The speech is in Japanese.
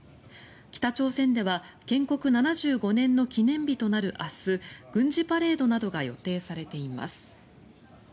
北朝鮮では建国７５年の記念日となる明日軍事パレードなどが予定されています。